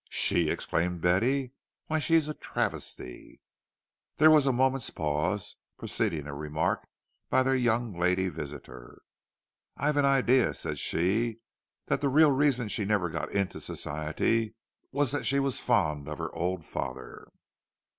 "She!" exclaimed Betty. "Why, she's a travesty!" There was a moment's pause, preceding a remark by their young lady visitor. "I've an idea," said she, "that the real reason she never got into Society was that she was fond of her old father."